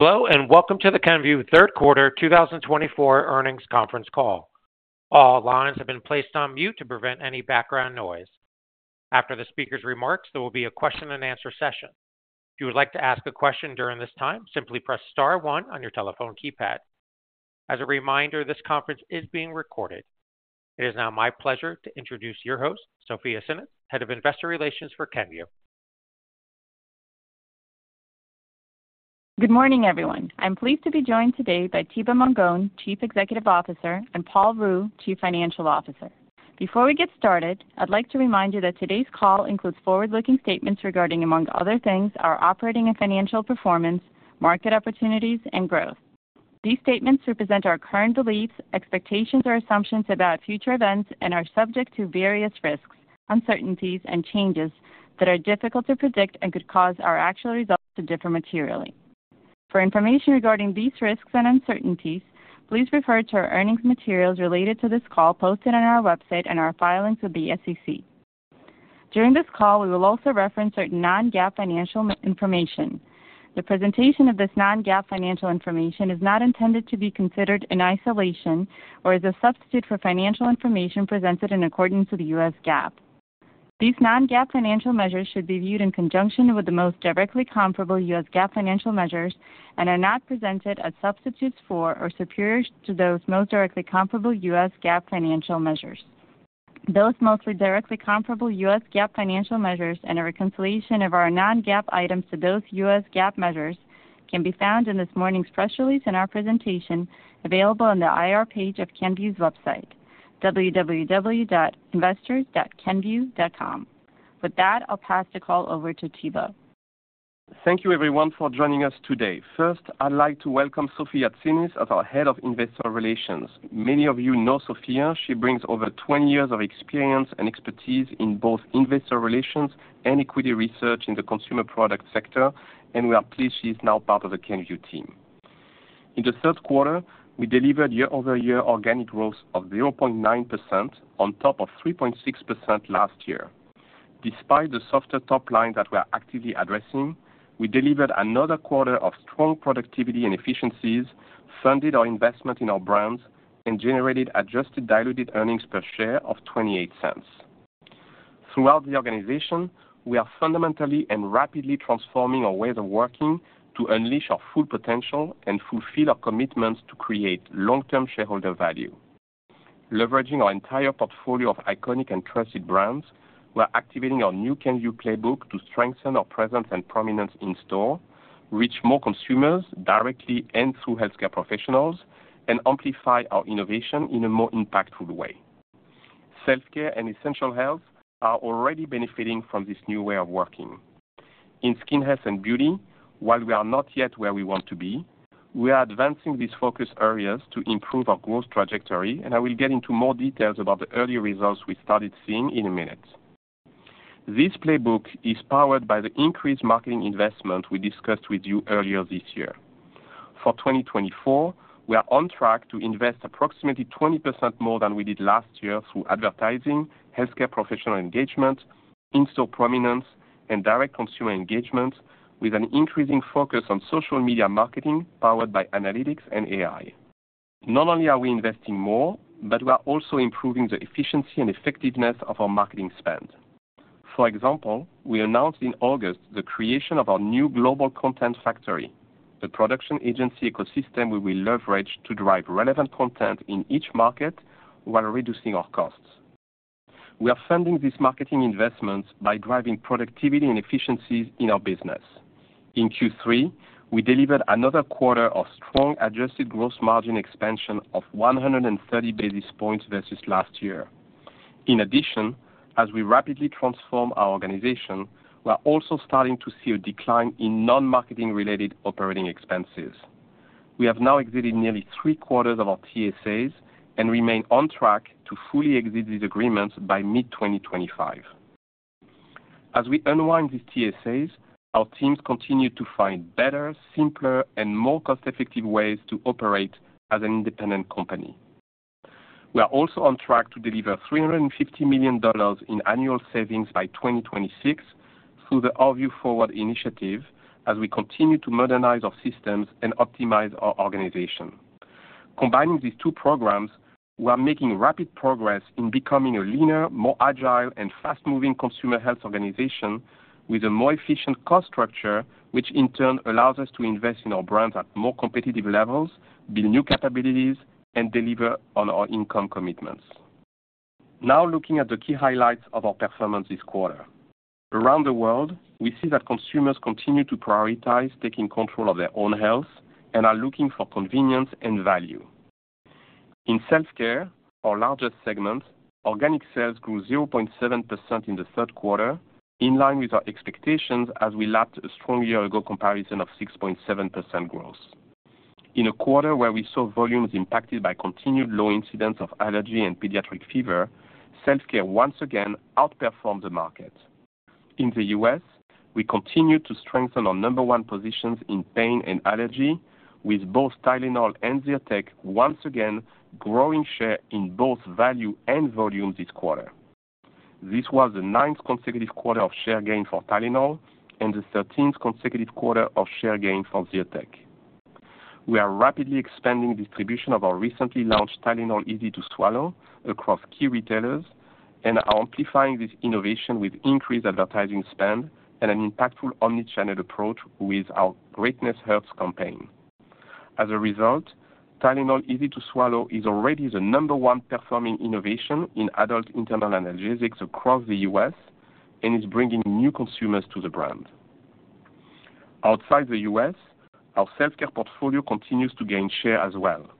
Hello, and welcome to the Kenvue Q3 2024 earnings conference call. All lines have been placed on mute to prevent any background noise. After the speaker's remarks, there will be a question-and-answer session. If you would like to ask a question during this time, simply press star one on your telephone keypad. As a reminder, this conference is being recorded. It is now my pleasure to introduce your host, Sofya Tsinis, Head of Investor Relations for Kenvue. Good morning, everyone. I'm pleased to be joined today by Thibaut Mongon, Chief Executive Officer, and Paul Ruh, Chief Financial Officer. Before we get started, I'd like to remind you that today's call includes forward-looking statements regarding, among other things, our operating and financial performance, market opportunities, and growth. These statements represent our current beliefs, expectations, or assumptions about future events and are subject to various risks, uncertainties, and changes that are difficult to predict and could cause our actual results to differ materially. For information regarding these risks and uncertainties, please refer to our earnings materials related to this call posted on our website and our filings with the SEC. During this call, we will also reference certain non-GAAP financial information. The presentation of this non-GAAP financial information is not intended to be considered in isolation or as a substitute for financial information presented in accordance with U.S. GAAP. These non-GAAP financial measures should be viewed in conjunction with the most directly comparable U.S. GAAP financial measures and are not presented as substitutes for or superiors to those most directly comparable U.S. GAAP financial measures. Those most directly comparable U.S. GAAP financial measures and a reconciliation of our non-GAAP items to those U.S. GAAP measures can be found in this morning's press release and our presentation available on the IR page of Kenvue's website, www.investors.kenvue.com. With that, I'll pass the call over to Thibaut. Thank you, everyone, for joining us today. First, I'd like to welcome Sofya Tsinis as our Head of Investor Relations. Many of you know Sofya. She brings over 20 years of experience and expertise in both investor relations and equity research in the consumer product sector, and we are pleased she is now part of the Kenvue team. In the third quarter, we delivered year-over-year organic growth of 0.9% on top of 3.6% last year. Despite the softer top line that we are actively addressing, we delivered another quarter of strong productivity and efficiencies, funded our investment in our brands, and generated adjusted diluted earnings per share of $0.28. Throughout the organization, we are fundamentally and rapidly transforming our ways of working to unleash our full potential and fulfill our commitments to create long-term shareholder value. Leveraging our entire portfolio of iconic and trusted brands, we are activating our new Kenvue Playbook to strengthen our presence and prominence in store, reach more consumers directly and through healthcare professionals, and amplify our innovation in a more impactful way. Self-care and essential health are already benefiting from this new way of working. In skin health and beauty, while we are not yet where we want to be, we are advancing these focus areas to improve our growth trajectory, and I will get into more details about the early results we started seeing in a minute. This Playbook is powered by the increased marketing investment we discussed with you earlier this year. For 2024, we are on track to invest approximately 20% more than we did last year through advertising, healthcare professional engagement, in-store prominence, and direct consumer engagement, with an increasing focus on social media marketing powered by Analytics and AI. Not only are we investing more, but we are also improving the efficiency and effectiveness of our marketing spend. For example, we announced in August the creation of our new global content factory, a production agency ecosystem we will leverage to drive relevant content in each market while reducing our costs. We are funding these marketing investments by driving productivity and efficiencies in our business. In Q3, we delivered another quarter of strong adjusted gross margin expansion of 130 basis points versus last year. In addition, as we rapidly transform our organization, we are also starting to see a decline in non-marketing-related operating expenses. We have now exited nearly three-quarters of our TSAs and remain on track to fully exit these agreements by mid-2025. As we unwind these TSAs, our teams continue to find better, simpler, and more cost-effective ways to operate as an independent company. We are also on track to deliver $350 million in annual savings by 2026 through the Vue Forward initiative as we continue to modernize our systems and optimize our organization. Combining these two programs, we are making rapid progress in becoming a leaner, more agile, and fast-moving consumer health organization with a more efficient cost structure, which in turn allows us to invest in our brands at more competitive levels, build new capabilities, and deliver on our income commitments. Now, looking at the key highlights of our performance this quarter, around the world, we see that consumers continue to prioritize taking control of their own health and are looking for convenience and value. In self-care, our largest segment, organic sales grew 0.7% in the third quarter, in line with our expectations as we lapped a strong year-ago comparison of 6.7% growth. In a quarter where we saw volumes impacted by continued low incidence of allergy and pediatric fever, self-care once again outperformed the market. In the U.S., we continued to strengthen our number one positions in pain and allergy, with both Tylenol and Zyrtec once again growing share in both value and volume this quarter. This was the ninth consecutive quarter of share gain for Tylenol and the 13th consecutive quarter of share gain for Zyrtec. We are rapidly expanding distribution of our recently launched Tylenol Easy to Swallow across key retailers and are amplifying this innovation with increased advertising spend and an impactful omnichannel approach with our Greatness Hurts campaign. As a result, Tylenol Easy to Swallow is already the number one performing innovation in adult internal analgesics across the U.S. and is bringing new consumers to the brand. Outside the U.S., our self-care portfolio continues to gain share as well.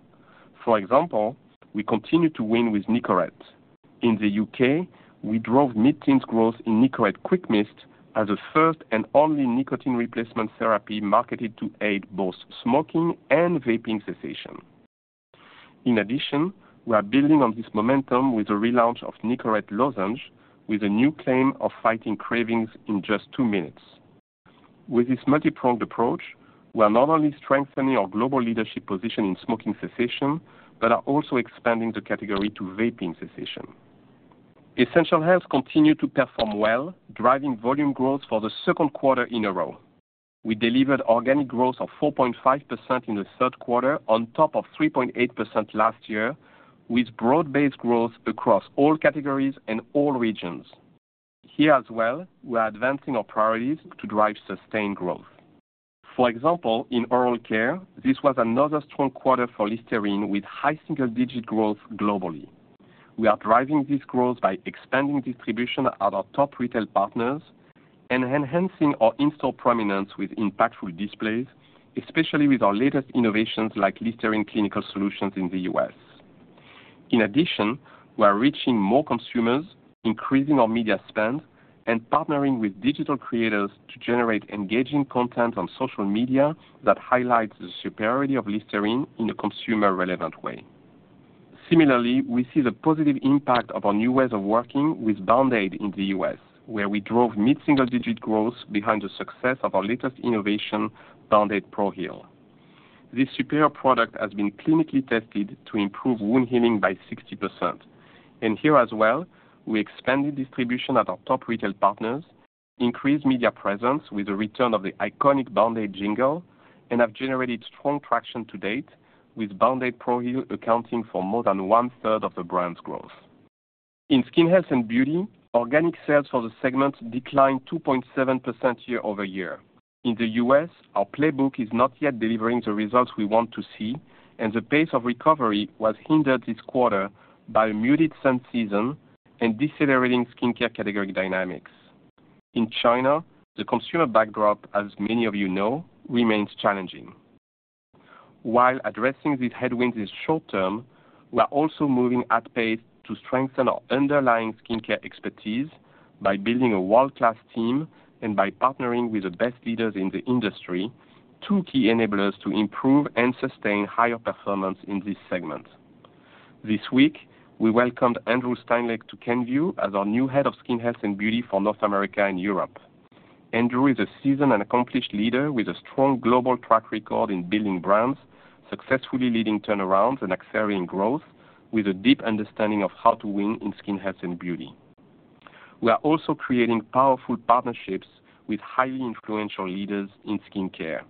For example, we continue to win with Nicorette. In the U.K., we drove mid-teens growth in Nicorette QuickMist as the first and only nicotine replacement therapy marketed to aid both smoking and vaping cessation. In addition, we are building on this momentum with the relaunch of Nicorette Lozenge, with a new claim of fighting cravings in just two minutes. With this multi-pronged approach, we are not only strengthening our global leadership position in smoking cessation but are also expanding the category to vaping cessation. Essential Health continues to perform well, driving volume growth for the second quarter in a row. We delivered organic growth of 4.5% in the third quarter on top of 3.8% last year, with broad-based growth across all categories and all regions. Here as well, we are advancing our priorities to drive sustained growth. For example, in oral care, this was another strong quarter for Listerine, with high single-digit growth globally. We are driving this growth by expanding distribution at our top retail partners and enhancing our in-store prominence with impactful displays, especially with our latest innovations like Listerine Clinical Solutions in the U.S. In addition, we are reaching more consumers, increasing our media spend, and partnering with digital creators to generate engaging content on social media that highlights the superiority of Listerine in a consumer-relevant way. Similarly, we see the positive impact of our new ways of working with Band-Aid in the U.S., where we drove mid-single-digit growth behind the success of our latest innovation, Band-Aid Pro-Heal. This superior product has been clinically tested to improve wound healing by 60%. And here as well, we expanded distribution at our top retail partners, increased media presence with the return of the iconic Band-Aid jingle, and have generated strong traction to date, with Band-Aid Pro-Heal accounting for more than one-third of the brand's growth. In skin health and beauty, organic sales for the segment declined 2.7% year-over-year. In the U.S., our Playbook is not yet delivering the results we want to see, and the pace of recovery was hindered this quarter by a muted sun season and decelerating skincare category dynamics. In China, the consumer backdrop, as many of you know, remains challenging. While addressing these headwinds is short-term, we are also moving at pace to strengthen our underlying skincare expertise by building a world-class team and by partnering with the best leaders in the industry, two key enablers to improve and sustain higher performance in this segment. This week, we welcomed Andrew Stanleick to Kenvue as our new Head of Skin Health and Beauty for North America and Europe. Andrew is a seasoned and accomplished leader with a strong global track record in building brands, successfully leading turnarounds and accelerating growth, with a deep understanding of how to win in skin health and beauty. We are also creating powerful partnerships with highly influential leaders in skincare.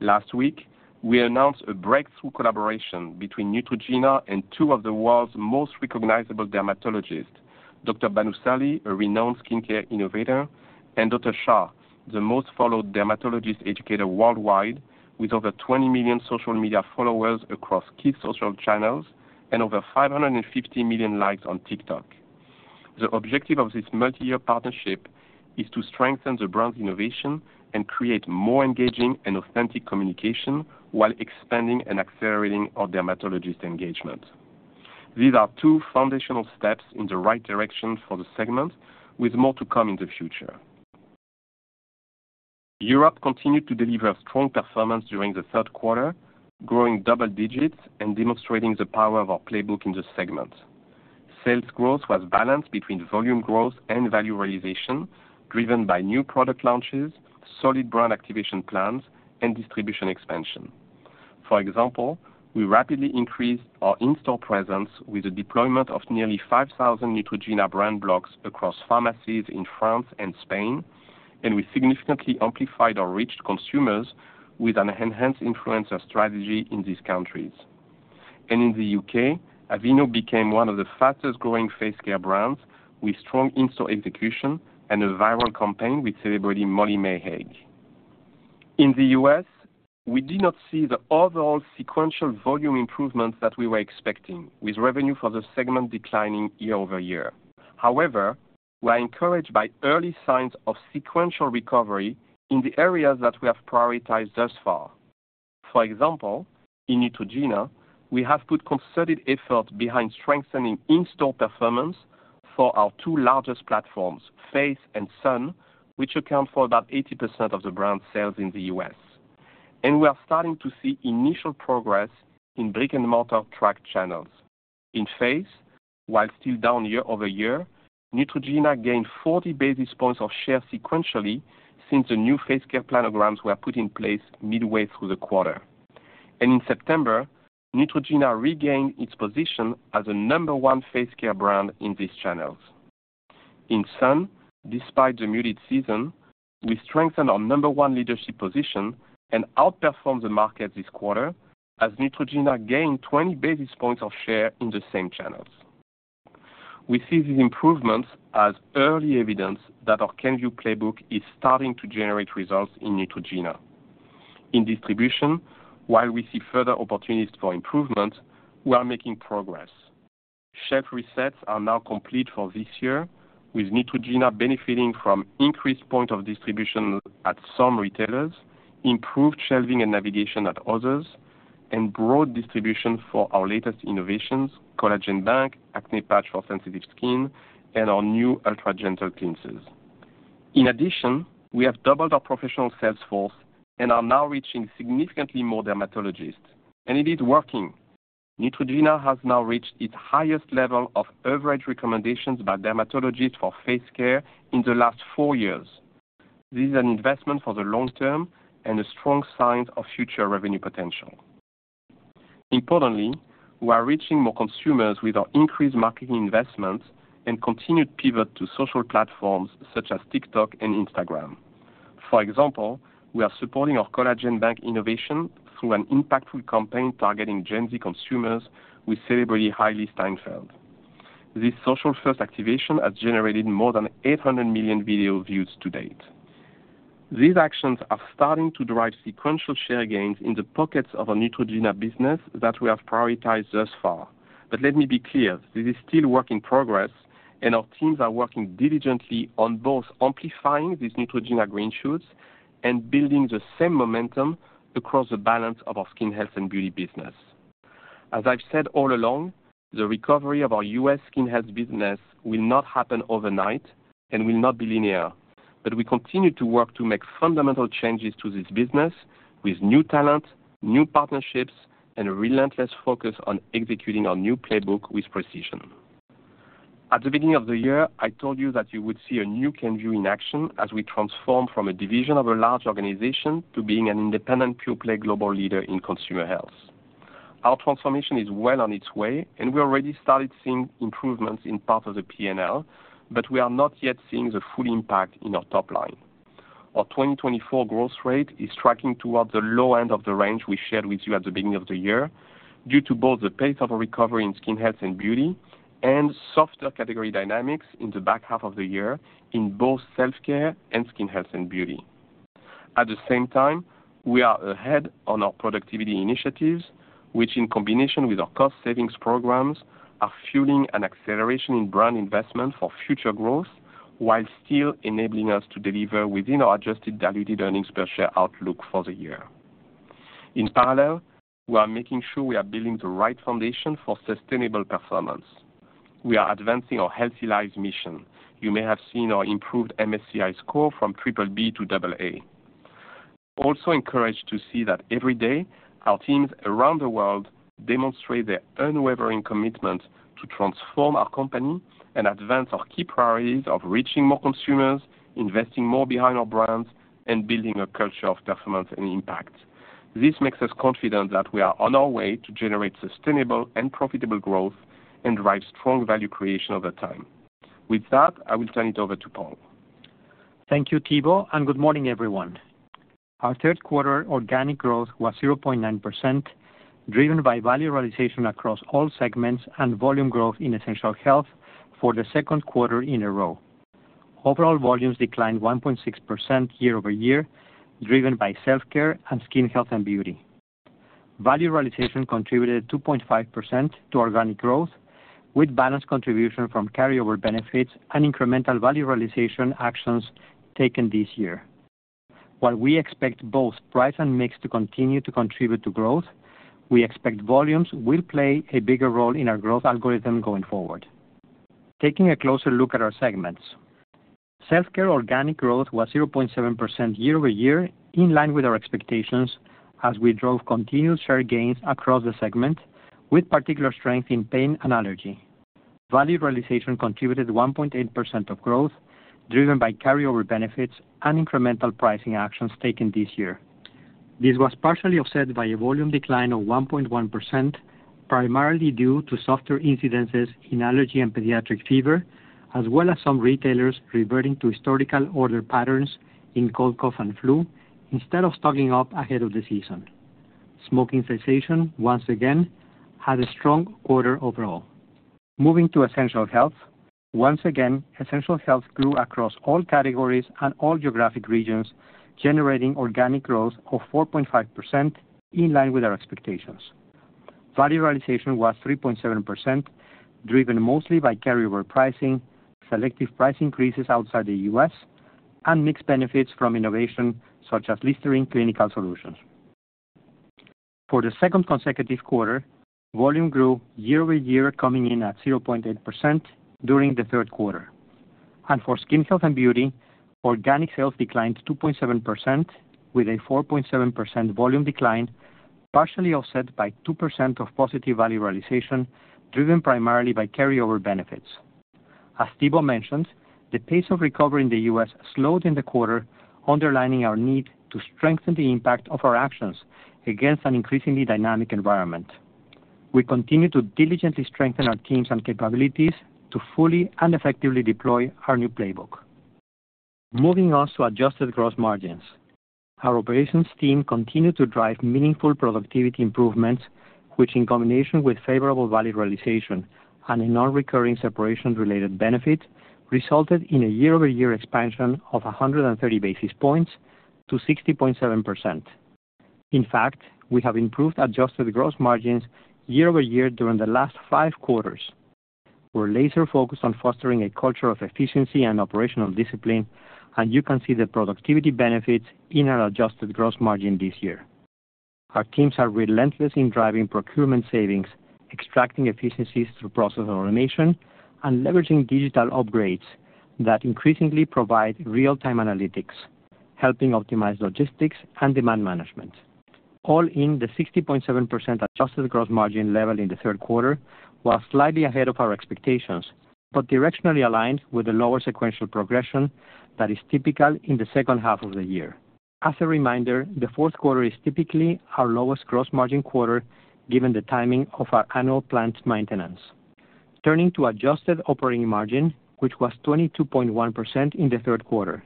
Last week, we announced a breakthrough collaboration between Neutrogena and two of the world's most recognizable dermatologists, Dr. Dhaval Bhanusali, a renowned skincare innovator, and Dr. Muneeb Shah, the most followed dermatologist educator worldwide, with over 20 million social media followers across key social channels and over 550 million likes on TikTok. The objective of this multi-year partnership is to strengthen the brand's innovation and create more engaging and authentic communication while expanding and accelerating our dermatologist engagement. These are two foundational steps in the right direction for the segment, with more to come in the future. Europe continued to deliver strong performance during the third quarter, growing double digits and demonstrating the power of our Playbook in the segment. Sales growth was balanced between volume growth and value realization, driven by new product launches, solid brand activation plans, and distribution expansion. For example, we rapidly increased our in-store presence with the deployment of nearly 5,000 Neutrogena brand blocks across pharmacies in France and Spain, and we significantly amplified our reach to consumers with an enhanced influencer strategy in these countries, and in the U.K., Aveeno became one of the fastest-growing face care brands with strong in-store execution and a viral campaign with celebrity Molly-Mae Hague. In the U.S., we did not see the overall sequential volume improvements that we were expecting, with revenue for the segment declining year-over-year. However, we are encouraged by early signs of sequential recovery in the areas that we have prioritized thus far. For example, in Neutrogena, we have put concerted effort behind strengthening in-store performance for our two largest platforms, Face and Sun, which account for about 80% of the brand sales in the U.S., and we are starting to see initial progress in brick-and-mortar tracked channels. In Face, while still down year-over-year, Neutrogena gained 40 basis points of share sequentially since the new face care planograms were put in place midway through the quarter, and in September, Neutrogena regained its position as the number one face care brand in these channels. In Sun, despite the muted season, we strengthened our number one leadership position and outperformed the market this quarter as Neutrogena gained 20 basis points of share in the same channels. We see these improvements as early evidence that our Kenvue Playbook is starting to generate results in Neutrogena. In distribution, while we see further opportunities for improvement, we are making progress. Shelf resets are now complete for this year, with Neutrogena benefiting from increased point of distribution at some retailers, improved shelving and navigation at others, and broad distribution for our latest innovations, Collagen Bank, Acne Patch for Sensitive Skin, and our new Ultra Gentle Cleansers. In addition, we have doubled our professional sales force and are now reaching significantly more dermatologists. And it is working. Neutrogena has now reached its highest level of average recommendations by dermatologists for face care in the last four years. This is an investment for the long term and a strong sign of future revenue potential. Importantly, we are reaching more consumers with our increased marketing investments and continued pivot to social platforms such as TikTok and Instagram. For example, we are supporting our Collagen Bank innovation through an impactful campaign targeting Gen Z consumers with celebrity Hailee Steinfeld. This social-first activation has generated more than 800 million video views to date. These actions are starting to drive sequential share gains in the pockets of our Neutrogena business that we have prioritized thus far. But let me be clear, this is still work in progress, and our teams are working diligently on both amplifying these Neutrogena green shoots and building the same momentum across the balance of our skin health and beauty business. As I've said all along, the recovery of our U.S. skin health business will not happen overnight and will not be linear. But we continue to work to make fundamental changes to this business with new talent, new partnerships, and a relentless focus on executing our new Playbook with precision. At the beginning of the year, I told you that you would see a new Kenvue in action as we transform from a division of a large organization to being an independent pure-play global leader in consumer health. Our transformation is well on its way, and we already started seeing improvements in part of the P&L, but we are not yet seeing the full impact in our top line. Our 2024 growth rate is tracking towards the low end of the range we shared with you at the beginning of the year due to both the pace of recovery in skin health and beauty and softer category dynamics in the back half of the year in both self-care and skin health and beauty. At the same time, we are ahead on our productivity initiatives, which, in combination with our cost-savings programs, are fueling an acceleration in brand investment for future growth while still enabling us to deliver within our Adjusted Diluted Earnings Per Share outlook for the year. In parallel, we are making sure we are building the right foundation for sustainable performance. We are advancing our Healthy Lives mission. You may have seen our improved MSCI score from BBB to AA. I'm also encouraged to see that every day, our teams around the world demonstrate their unwavering commitment to transform our company and advance our key priorities of reaching more consumers, investing more behind our brands, and building a culture of performance and impact. This makes us confident that we are on our way to generate sustainable and profitable growth and drive strong value creation over time. With that, I will turn it over to Paul. Thank you, Thibaut, and good morning, everyone. Our third quarter organic growth was 0.9%, driven by value realization across all segments and volume growth in essential health for the second quarter in a row. Overall volumes declined 1.6% year-over-year, driven by self-care and skin health and beauty. Value realization contributed 2.5% to organic growth, with balanced contribution from carryover benefits and incremental value realization actions taken this year. While we expect both price and mix to continue to contribute to growth, we expect volumes will play a bigger role in our growth algorithm going forward. Taking a closer look at our segments, self-care organic growth was 0.7% year-over-year, in line with our expectations as we drove continued share gains across the segment, with particular strength in pain and allergy. Value realization contributed 1.8% of growth, driven by carryover benefits and incremental pricing actions taken this year. This was partially offset by a volume decline of 1.1%, primarily due to softer incidences in allergy and pediatric fever, as well as some retailers reverting to historical order patterns in cold cough and flu instead of stocking up ahead of the season. Smoking cessation, once again, had a strong quarter overall. Moving to essential health, once again, essential health grew across all categories and all geographic regions, generating organic growth of 4.5% in line with our expectations. Value realization was 3.7%, driven mostly by carryover pricing, selective price increases outside the U.S., and mixed benefits from innovation such as Listerine Clinical Solutions. For the second consecutive quarter, volume grew year-over-year, coming in at 0.8% during the third quarter. And for skin health and beauty, organic sales declined 2.7%, with a 4.7% volume decline, partially offset by 2% of positive value realization, driven primarily by carryover benefits. As Thibaut mentioned, the pace of recovery in the U.S. slowed in the quarter, underlining our need to strengthen the impact of our actions against an increasingly dynamic environment. We continue to diligently strengthen our teams and capabilities to fully and effectively deploy our new Playbook. Moving on to adjusted gross margins, our operations team continued to drive meaningful productivity improvements, which, in combination with favorable value realization and a non-recurring separation-related benefit, resulted in a year-over-year expansion of 130 basis points to 60.7%. In fact, we have improved adjusted gross margins year-over-year during the last five quarters. We're laser-focused on fostering a culture of efficiency and operational discipline, and you can see the productivity benefits in our adjusted gross margin this year. Our teams are relentless in driving procurement savings, extracting efficiencies through process automation, and leveraging digital upgrades that increasingly provide real-time analytics, helping optimize logistics and demand management. All in, the 60.7% adjusted gross margin level in the third quarter was slightly ahead of our expectations, but directionally aligned with the lower sequential progression that is typical in the second half of the year. As a reminder, the fourth quarter is typically our lowest gross margin quarter, given the timing of our annual planned maintenance. Turning to adjusted operating margin, which was 22.1% in the third quarter,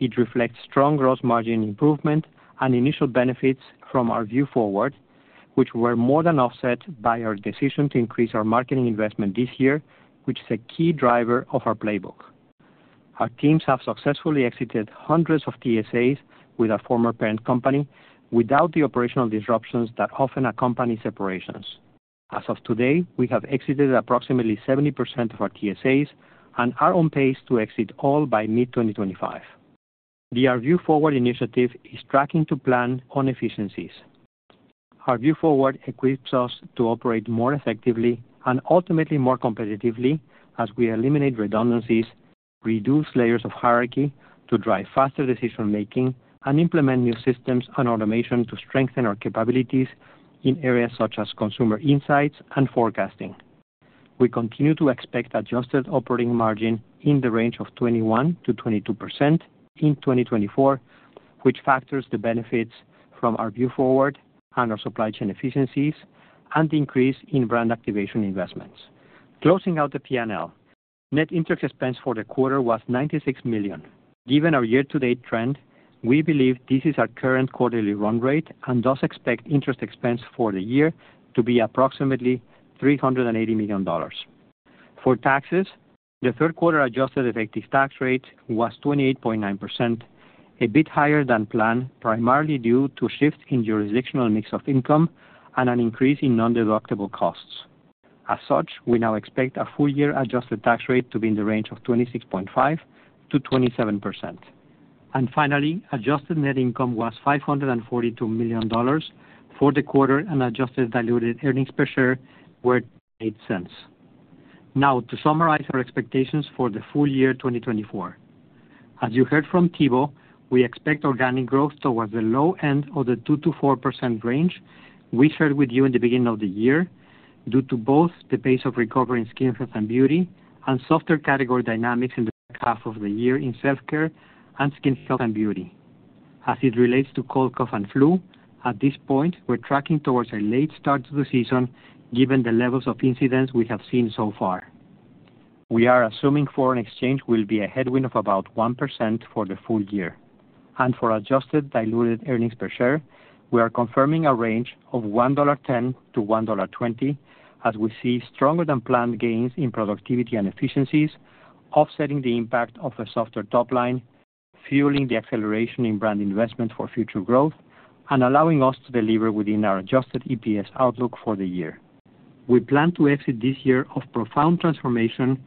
it reflects strong gross margin improvement and initial benefits from Vue Forward, which were more than offset by our decision to increase our marketing investment this year, which is a key driver of our Playbook. Our teams have successfully exited hundreds of TSAs with our former parent company without the operational disruptions that often accompany separations. As of today, we have exited approximately 70% of our TSAs and are on pace to exit all by mid-2025. The Vue Forward initiative is tracking to plan on efficiencies. Vue Forward equips us to operate more effectively and ultimately more competitively as we eliminate redundancies, reduce layers of hierarchy to drive faster decision-making, and implement new systems and automation to strengthen our capabilities in areas such as consumer insights and forecasting. We continue to expect adjusted operating margin in the range of 21%-22% in 2024, which factors the benefits from Our Vue Forward and our supply chain efficiencies and the increase in brand activation investments. Closing out the P&L, net interest expense for the quarter was $96 million. Given our year-to-date trend, we believe this is our current quarterly run rate and thus expect interest expense for the year to be approximately $380 million. For taxes, the third quarter adjusted effective tax rate was 28.9%, a bit higher than planned, primarily due to a shift in jurisdictional mix of income and an increase in non-deductible costs. As such, we now expect a full-year adjusted tax rate to be in the range of 26.5%-27%. And finally, adjusted net income was $542 million for the quarter, and adjusted diluted earnings per share were $0.08. Now, to summarize our expectations for the full year 2024, as you heard from Thibaut, we expect organic growth towards the low end of the 2%-4% range we shared with you in the beginning of the year due to both the pace of recovery in skin health and beauty and softer category dynamics in the back half of the year in self-care and skin health and beauty. As it relates to cold cough and flu, at this point, we're tracking towards a late start to the season given the levels of incidence we have seen so far. We are assuming foreign exchange will be a headwind of about 1% for the full year. For adjusted diluted earnings per share, we are confirming a range of $1.10-$1.20 as we see stronger-than-planned gains in productivity and efficiencies, offsetting the impact of a softer top line, fueling the acceleration in brand investment for future growth, and allowing us to deliver within our adjusted EPS outlook for the year. We plan to exit this year of profound transformation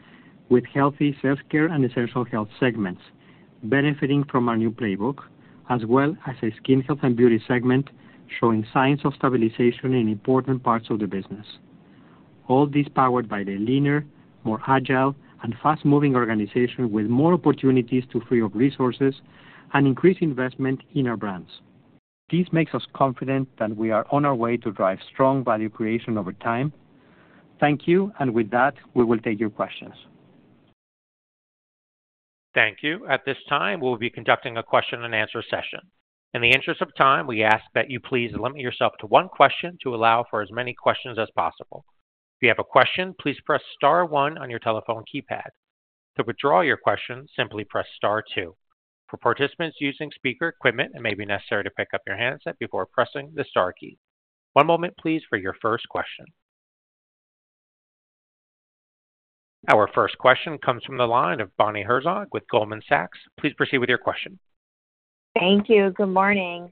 with healthy self-care and essential health segments benefiting from our new Playbook, as well as a skin health and beauty segment showing signs of stabilization in important parts of the business. All this powered by the leaner, more agile, and fast-moving organization with more opportunities to free up resources and increase investment in our brands. This makes us confident that we are on our way to drive strong value creation over time. Thank you, and with that, we will take your questions. Thank you. At this time, we'll be conducting a question-and-answer session. In the interest of time, we ask that you please limit yourself to one question to allow for as many questions as possible. If you have a question, please press Star one on your telephone keypad. To withdraw your question, simply press Star two. For participants using speaker equipment, it may be necessary to pick up your handset before pressing the Star key. One moment, please, for your first question. Our first question comes from the line of Bonnie Herzog with Goldman Sachs. Please proceed with your question. Thank you. Good morning.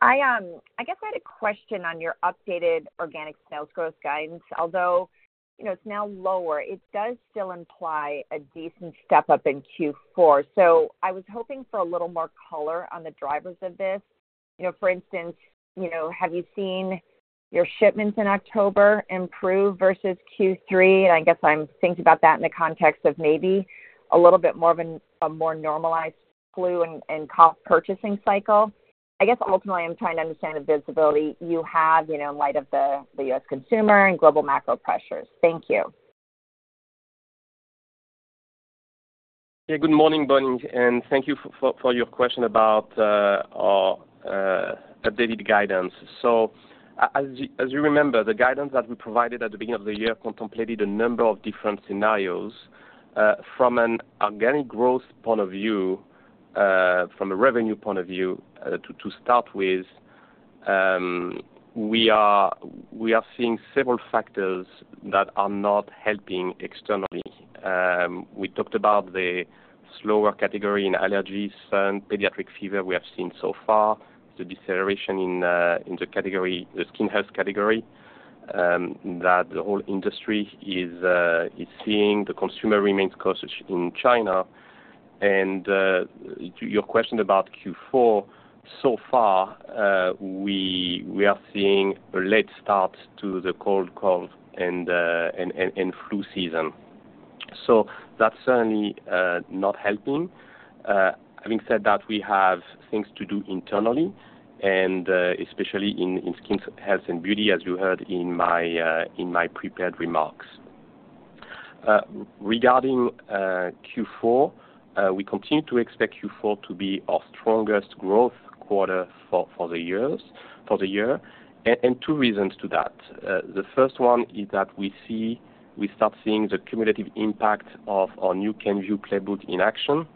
I guess I had a question on your updated organic sales growth guidance. Although it's now lower, it does still imply a decent step up in Q4. So I was hoping for a little more color on the drivers of this. For instance, have you seen your shipments in October improve versus Q3? And I guess I'm thinking about that in the context of maybe a little bit more of a more normalized flu and cough purchasing cycle. I guess ultimately, I'm trying to understand the visibility you have in light of the U.S. consumer and global macro pressures. Thank you. Yeah, good morning, Bonnie, and thank you for your question about our updated guidance, so as you remember, the guidance that we provided at the beginning of the year contemplated a number of different scenarios. From an organic growth point of view, from a revenue point of view, to start with, we are seeing several factors that are not helping externally. We talked about the slower category in allergies and pediatric fever we have seen so far, the deceleration in the skin health category that the whole industry is seeing, the consumer remains cautious in China, and to your question about Q4, so far, we are seeing a late start to the cold cough and flu season, so that's certainly not helping. Having said that, we have things to do internally, and especially in skin health and beauty, as you heard in my prepared remarks. Regarding Q4, we continue to expect Q4 to be our strongest growth quarter for the year, and two reasons to that. The first one is that we start seeing the cumulative impact of our new Kenvue Playbook in action,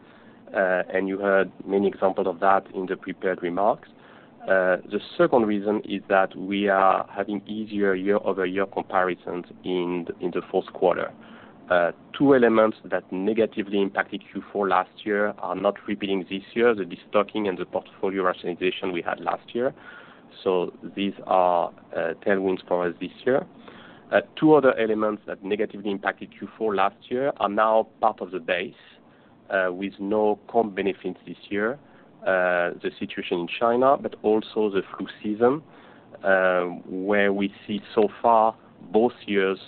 and you heard many examples of that in the prepared remarks. The second reason is that we are having easier year-over-year comparisons in the fourth quarter. Two elements that negatively impacted Q4 last year are not repeating this year, the destocking and the portfolio rationalization we had last year. So these are tailwinds for us this year. Two other elements that negatively impacted Q4 last year are now part of the base with no comp benefits this year, the situation in China, but also the flu season, where we see so far both years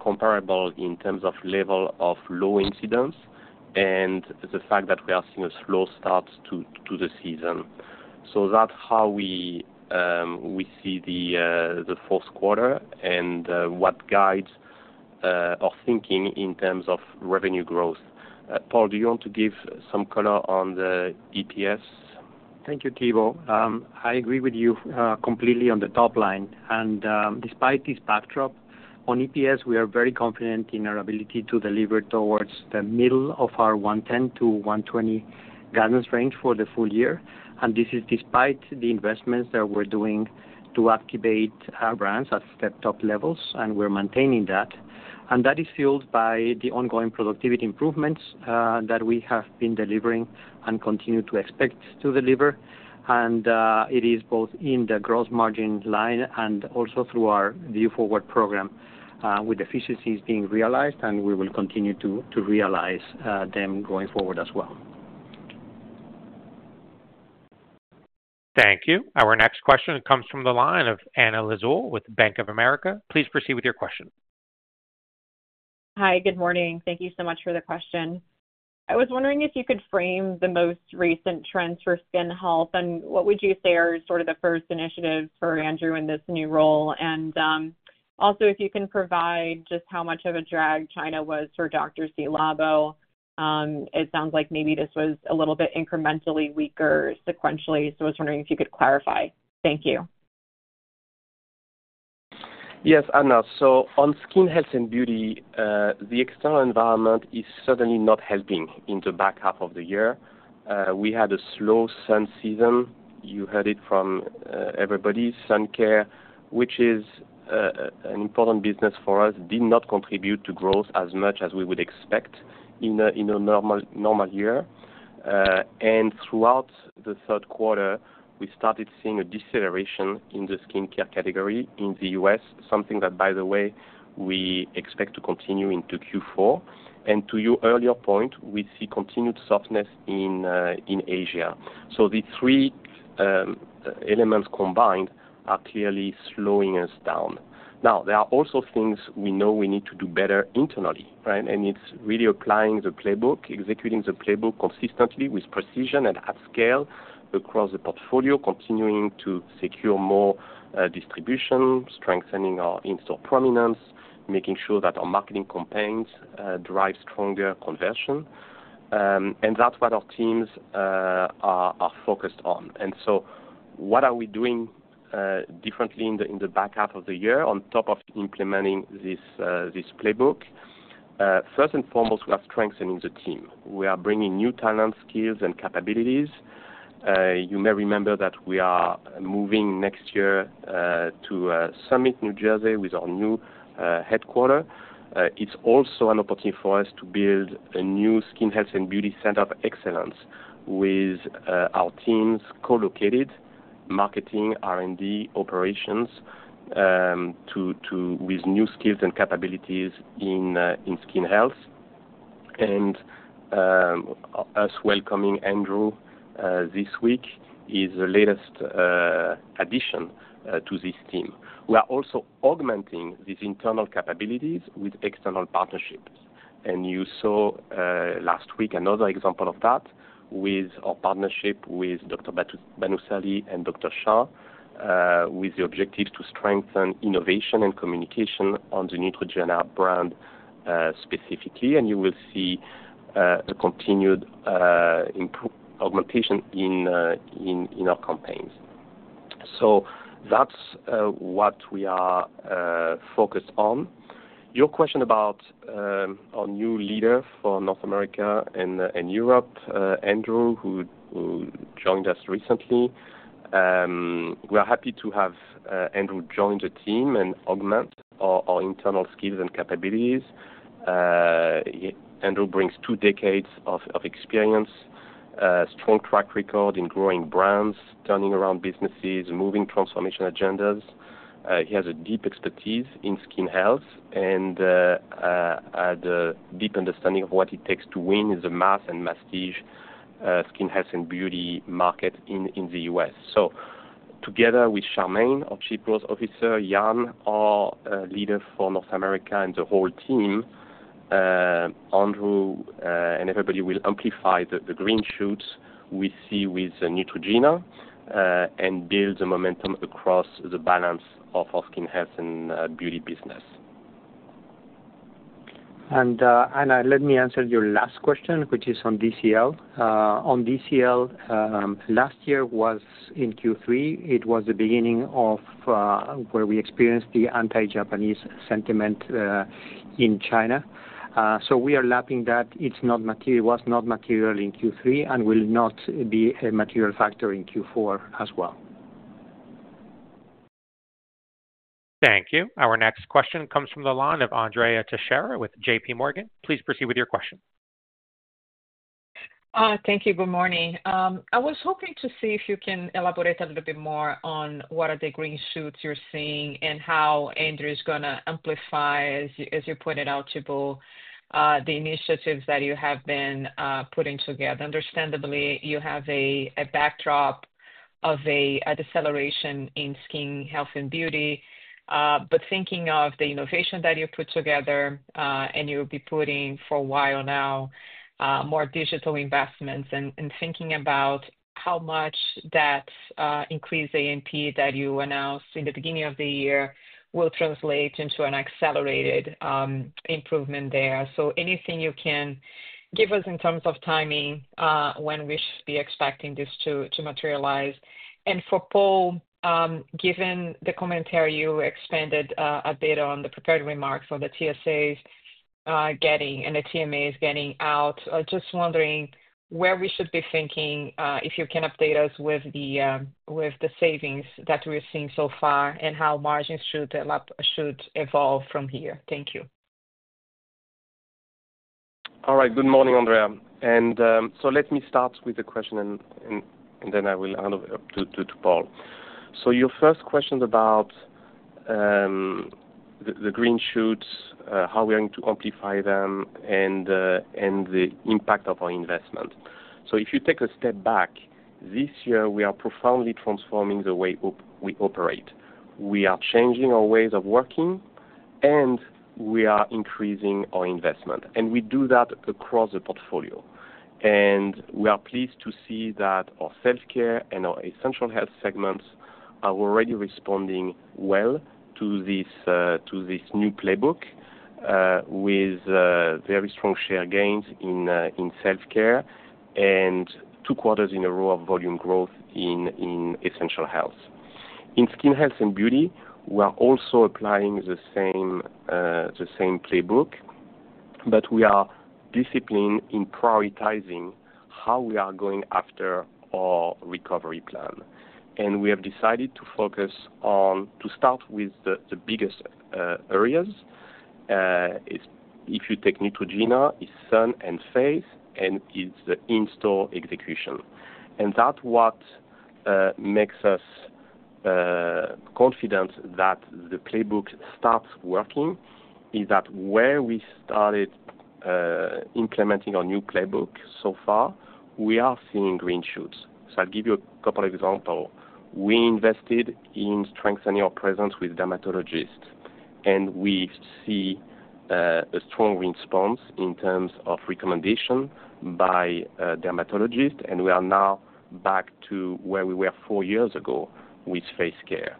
comparable in terms of level of low incidence and the fact that we are seeing a slow start to the season. So that's how we see the fourth quarter and what guides our thinking in terms of revenue growth. Paul, do you want to give some color on the EPS? Thank you, Thibaut. I agree with you completely on the top line. Despite this backdrop, on EPS, we are very confident in our ability to deliver towards the middle of our 110-120 guidance range for the full year. This is despite the investments that we're doing to activate our brands at the top levels, and we're maintaining that. That is fueled by the ongoing productivity improvements that we have been delivering and continue to expect to deliver. It is both in the gross margin line and also through Our Vue Forward program, with efficiencies being realized, and we will continue to realize them going forward as well. Thank you. Our next question comes from the line of Anna Lizzul with Bank of America. Please proceed with your question. Hi, good morning. Thank you so much for the question. I was wondering if you could frame the most recent trends for skin health, and what would you say are sort of the first initiatives for Andrew in this new role? And also, if you can provide just how much of a drag China was for Dr. Scholl's. It sounds like maybe this was a little bit incrementally weaker sequentially, so I was wondering if you could clarify. Thank you. Yes, Anna. So on skin health and beauty, the external environment is certainly not helping in the back half of the year. We had a slow sun season. You heard it from everybody. Sun care, which is an important business for us, did not contribute to growth as much as we would expect in a normal year. And throughout the third quarter, we started seeing a deceleration in the skincare category in the U.S., something that, by the way, we expect to continue into Q4. And to your earlier point, we see continued softness in Asia. So the three elements combined are clearly slowing us down. Now, there are also things we know we need to do better internally, right? And it's really applying the Playbook, executing the Playbook consistently with precision and at scale across the portfolio, continuing to secure more distribution, strengthening our in-store prominence, making sure that our marketing campaigns drive stronger conversion. And that's what our teams are focused on. And so what are we doing differently in the back half of the year on top of implementing this Playbook? First and foremost, we are strengthening the team. We are bringing new talents, skills, and capabilities. You may remember that we are moving next year to Summit, New Jersey, with our new headquarters. It's also an opportunity for us to build a new skin health and beauty center of excellence with our teams co-located, marketing, R&D, operations, with new skills and capabilities in skin health. And us welcoming Andrew this week is the latest addition to this team. We are also augmenting these internal capabilities with external partnerships. And you saw last week another example of that with our partnership with Dr. Bhanusali and Dr. Shah, with the objectives to strengthen innovation and communication on the Neutrogena brand specifically. And you will see a continued augmentation in our campaigns. So that's what we are focused on. Your question about our new leader for North America and Europe, Andrew, who joined us recently. We are happy to have Andrew join the team and augment our internal skills and capabilities. Andrew brings two decades of experience, a strong track record in growing brands, turning around businesses, moving transformation agendas. He has a deep expertise in skin health and a deep understanding of what it takes to win the mass and prestige skin health and beauty market in the U.S. So together with Charmaine, our Chief Growth Officer, Yann, our leader for North America, and the whole team, Andrew and everybody will amplify the green shoots we see with Neutrogena and build the momentum across the balance of our skin health and beauty business. Anna, let me answer your last question, which is on DCL. On DCL, last year was in Q3. It was the beginning of where we experienced the anti-Japanese sentiment in China. So we are lapping that. It was not material in Q3 and will not be a material factor in Q4 as well. Thank you. Our next question comes from the line of Andrea Teixeira with JPMorgan. Please proceed with your question. Thank you. Good morning. I was hoping to see if you can elaborate a little bit more on what are the green shoots you're seeing and how Andrew is going to amplify, as you pointed out, Thibaut, the initiatives that you have been putting together. Understandably, you have a backdrop of a deceleration in skin health and beauty. But thinking of the innovation that you put together and you'll be putting for a while, now more digital investments and thinking about how much that increased A&P that you announced in the beginning of the year will translate into an accelerated improvement there. So anything you can give us in terms of timing when we should be expecting this to materialize. And for Paul, given the commentary you expanded a bit on the prepared remarks of the TSAs and the TMAs getting out, just wondering where we should be thinking if you can update us with the savings that we're seeing so far and how margins should evolve from here. Thank you. All right. Good morning, Andrea. And so let me start with the question, and then I will hand it to Paul. Your first question is about the green shoots, how we're going to amplify them, and the impact of our investment. If you take a step back, this year, we are profoundly transforming the way we operate. We are changing our ways of working, and we are increasing our investment. We do that across the portfolio. We are pleased to see that our self-care and our essential health segments are already responding well to this new Playbook with very strong share gains in self-care and two quarters in a row of volume growth in essential health. In skin health and beauty, we are also applying the same Playbook, but we are disciplined in prioritizing how we are going after our recovery plan. We have decided to focus on to start with the biggest areas. If you take Neutrogena, it's sun and face, and it's the in-store execution, and that's what makes us confident that the Playbook starts working is that where we started implementing our new Playbook so far, we are seeing green shoots, so I'll give you a couple of examples. We invested in strengthening our presence with dermatologists, and we see a strong response in terms of recommendation by dermatologists, and we are now back to where we were four years ago with face care,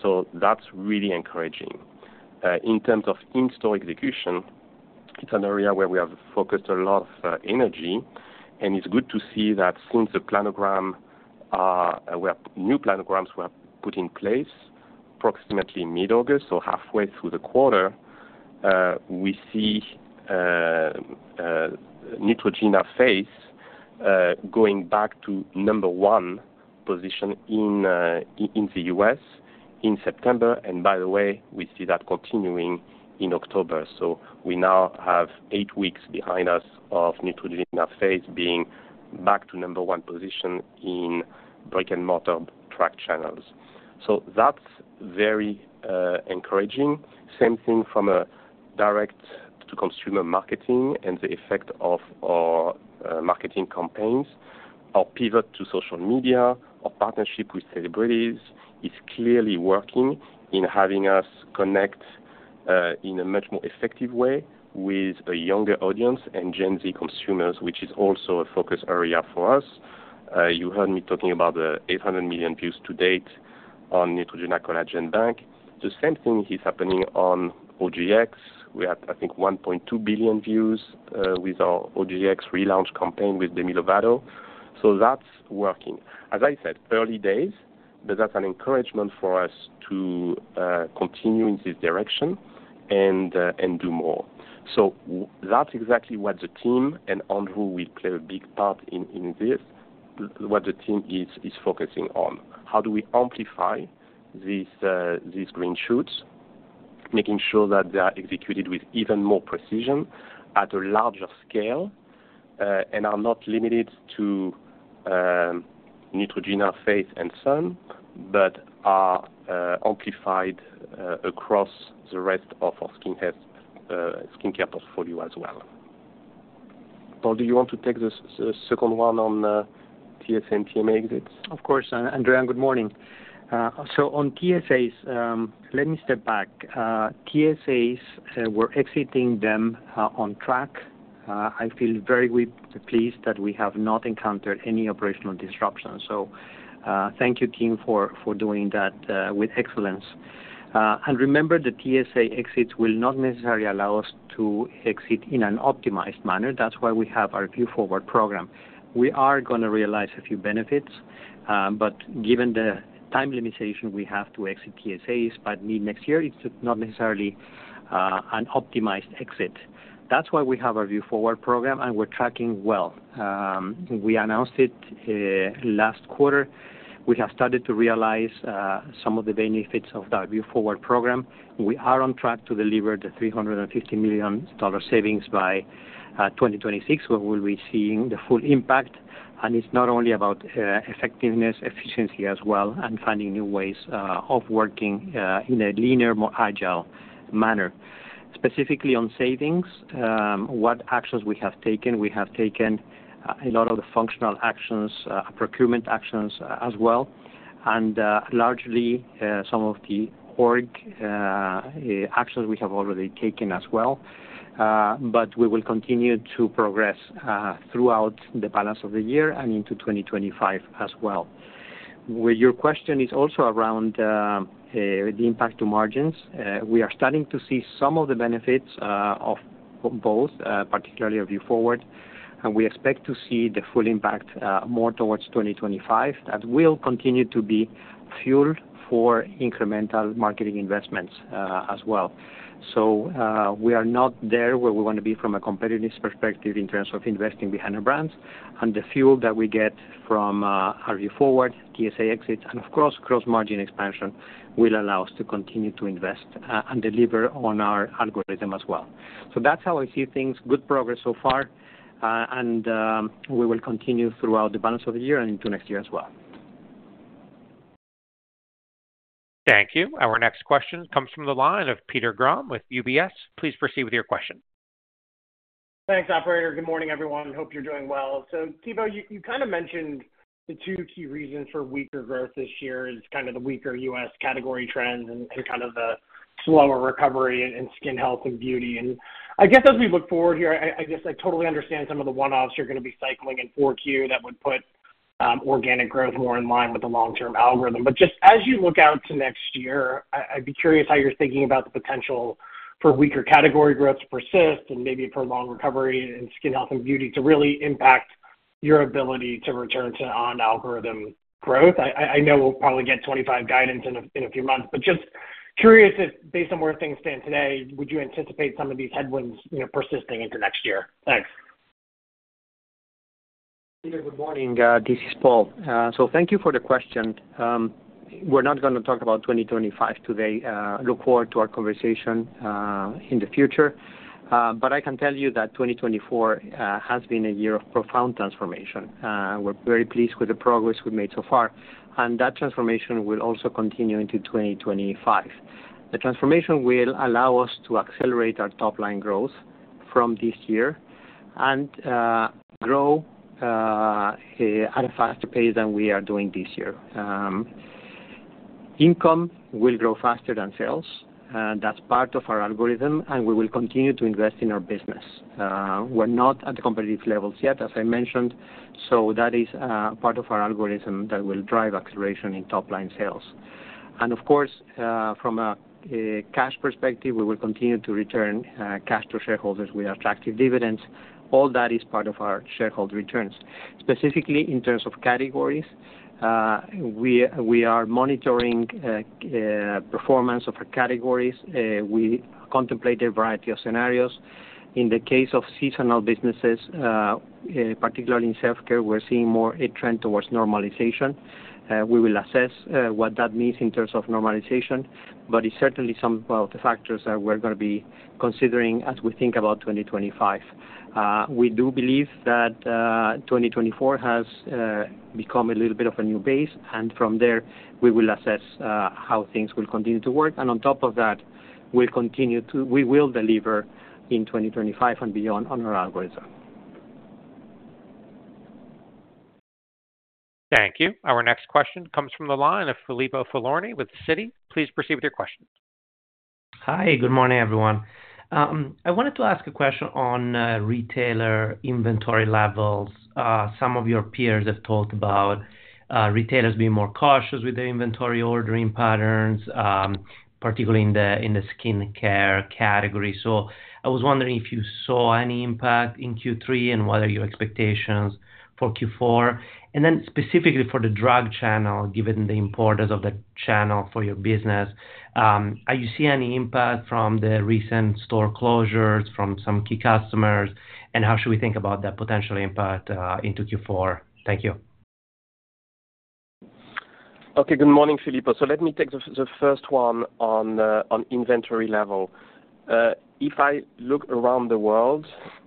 so that's really encouraging. In terms of in-store execution, it's an area where we have focused a lot of energy, and it's good to see that since the new planograms were put in place approximately mid-August, so halfway through the quarter, we see Neutrogena face going back to number one position in the U.S. in September, and by the way, we see that continuing in October. We now have eight weeks behind us of Neutrogena face being back to number one position in brick-and-mortar tracked channels. That's very encouraging. Same thing from a direct-to-consumer marketing and the effect of our marketing campaigns. Our pivot to social media, our partnership with celebrities is clearly working in having us connect in a much more effective way with a younger audience and Gen Z consumers, which is also a focus area for us. You heard me talking about the 800 million views to date on Neutrogena Collagen Bank. The same thing is happening on OGX. We had, I think, 1.2 billion views with our OGX relaunch campaign with Demi Lovato. That's working. As I said, early days, but that's an encouragement for us to continue in this direction and do more. So that's exactly what the team and Andrew will play a big part in this, what the team is focusing on. How do we amplify these green shoots, making sure that they are executed with even more precision at a larger scale and are not limited to Neutrogena face and sun, but are amplified across the rest of our skincare portfolio as well. Paul, do you want to take the second one on TSA and TMA exits? Of course. Andrea, good morning. So on TSAs, let me step back. TSAs, we're exiting them on track. I feel very pleased that we have not encountered any operational disruption. So thank you, team, for doing that with excellence. And remember, the TSA exits will not necessarily allow us to exit in an optimized manner. That's why we have Vue Forward program. We are going to realize a few benefits, but given the time limitation we have to exit TSAs by mid-next year, it's not necessarily an optimized exit. That's why we have Our Vue Forward program, and we're tracking well. We announced it last quarter. We have started to realize some of the benefits of that Vue Forward program. We are on track to deliver the $350 million savings by 2026, where we'll be seeing the full impact. And it's not only about effectiveness, efficiency as well, and finding new ways of working in a leaner, more agile manner. Specifically on savings, what actions we have taken, we have taken a lot of the functional actions, procurement actions as well, and largely some of the org actions we have already taken as well. But we will continue to progress throughout the balance of the year and into 2025 as well. Your question is also around the impact to margins. We are starting to see some of the benefits of both, particularly of Vue Forward. And we expect to see the full impact more towards 2025 that will continue to be fuel for incremental marketing investments as well. So we are not there where we want to be from a competitiveness perspective in terms of investing behind our brands. And the fuel that we get from Our Vue Forward, TSA exits, and of course, gross margin expansion will allow us to continue to invest and deliver on our algorithm as well. So that's how I see things. Good progress so far. And we will continue throughout the balance of the year and into next year as well. Thank you. Our next question comes from the line of Peter Grom with UBS. Please proceed with your question. Thanks, operator. Good morning, everyone. Hope you're doing well. So Thibaut, you kind of mentioned the two key reasons for weaker growth this year is kind of the weaker U.S. category trends and kind of the slower recovery in skin health and beauty. And I guess as we look forward here, I guess I totally understand some of the one-offs you're going to be cycling in 4Q that would put organic growth more in line with the long-term algorithm. But just as you look out to next year, I'd be curious how you're thinking about the potential for weaker category growth to persist and maybe prolong recovery in skin health and beauty to really impact your ability to return to on-algorithm growth. I know we'll probably get 25 guidance in a few months, but just curious if based on where things stand today, would you anticipate some of these headwinds persisting into next year? Thanks. Thank you. Good morning. This is Paul, so thank you for the question. We're not going to talk about 2025 today. Look forward to our conversation in the future, but I can tell you that 2024 has been a year of profound transformation. We're very pleased with the progress we've made so far, and that transformation will also continue into 2025. The transformation will allow us to accelerate our top-line growth from this year and grow at a faster pace than we are doing this year. Income will grow faster than sales. That's part of our algorithm, and we will continue to invest in our business. We're not at the competitive levels yet, as I mentioned, so that is part of our algorithm that will drive acceleration in top-line sales, and of course, from a cash perspective, we will continue to return cash to shareholders with attractive dividends. All that is part of our shareholder returns. Specifically in terms of categories, we are monitoring performance of our categories. We contemplate a variety of scenarios. In the case of seasonal businesses, particularly in self-care, we're seeing more a trend towards normalization. We will assess what that means in terms of normalization, but it's certainly some of the factors that we're going to be considering as we think about 2025. We do believe that 2024 has become a little bit of a new base, and from there, we will assess how things will continue to work. And on top of that, we will deliver in 2025 and beyond on our algorithm. Thank you. Our next question comes from the line of Filippo Falorni with Citi. Please proceed with your question. Hi. Good morning, everyone. I wanted to ask a question on retailer inventory levels. Some of your peers have talked about retailers being more cautious with their inventory ordering patterns, particularly in the skincare category. So I was wondering if you saw any impact in Q3 and what are your expectations for Q4? And then specifically for the drug channel, given the importance of the channel for your business, are you seeing any impact from the recent store closures from some key customers? And how should we think about that potential impact into Q4? Thank you. Okay. Good morning, Filippo. So let me take the first one on inventory level. If I look around the world,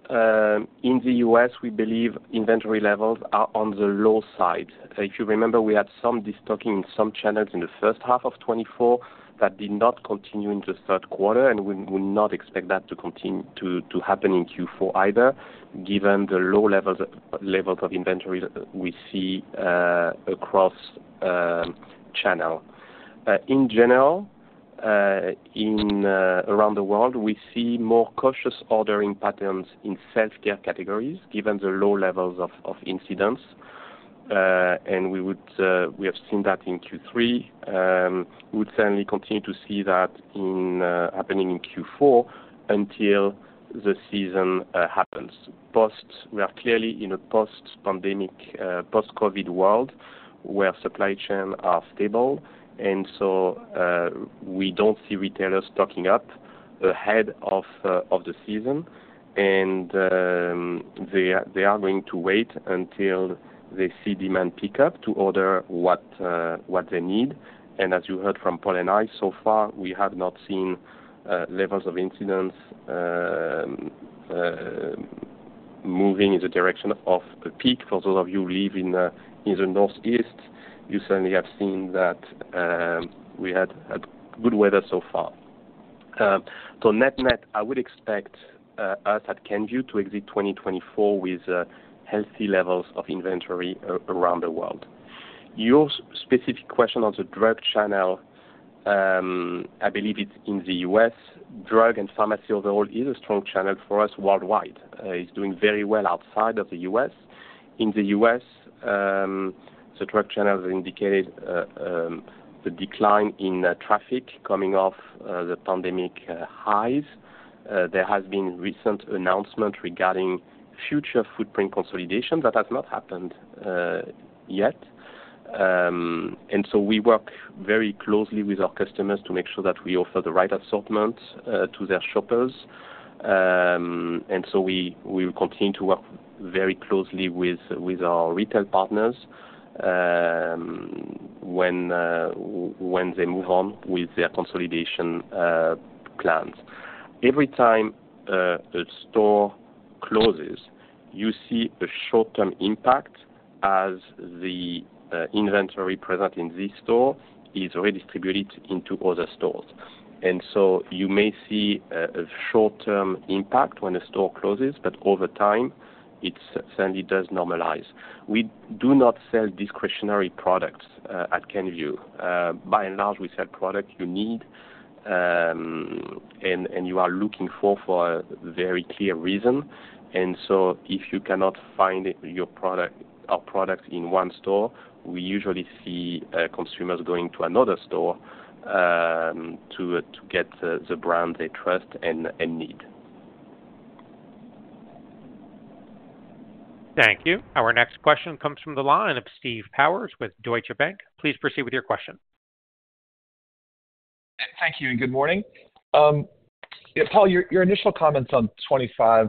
in the U.S., we believe inventory levels are on the low side. If you remember, we had some stocking in some channels in the first half of 2024 that did not continue in the third quarter, and we will not expect that to continue to happen in Q4 either, given the low levels of inventory we see across channels. In general, around the world, we see more cautious ordering patterns in self-care categories given the low levels of incidence. We have seen that in Q3. We would certainly continue to see that happening in Q4 until the season happens. We are clearly in a post-pandemic, post-COVID world where supply chains are stable. So we don't see retailers stocking up ahead of the season. They are going to wait until they see demand pick up to order what they need. And as you heard from Paul and I, so far, we have not seen levels of incidence moving in the direction of a peak. For those of you who live in the Northeast, you certainly have seen that we had good weather so far. So net, net, I would expect us at Kenvue to exit 2024 with healthy levels of inventory around the world. Your specific question on the drug channel, I believe it's in the U.S. Drug and pharmacy overall is a strong channel for us worldwide. It's doing very well outside of the U.S. In the U.S., the drug channels have indicated the decline in traffic coming off the pandemic highs. There has been recent announcement regarding future footprint consolidation. That has not happened yet. And so we work very closely with our customers to make sure that we offer the right assortment to their shoppers. And so we will continue to work very closely with our retail partners when they move on with their consolidation plans. Every time a store closes, you see a short-term impact as the inventory present in this store is redistributed into other stores. And so you may see a short-term impact when a store closes, but over time, it certainly does normalize. We do not sell discretionary products at Kenvue. By and large, we sell products you need and you are looking for for a very clear reason. And so if you cannot find your product or products in one store, we usually see consumers going to another store to get the brand they trust and need. Thank you. Our next question comes from the line of Steve Powers with Deutsche Bank. Please proceed with your question. Thank you. And good morning. Paul, your initial comments on 2025